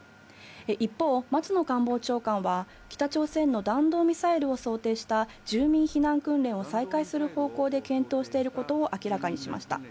一方、松野官房長官は北朝鮮の弾道ミサイルを想定した住民避難訓練を再開する方向で検討していることを明らかにしました。